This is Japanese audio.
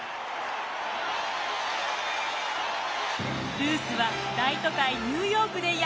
ルースは大都会ニューヨークで躍動！